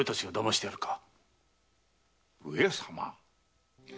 上様？